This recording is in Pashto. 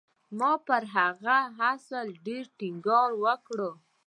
ما پر هغه اصل ډېر ټينګار وکړ.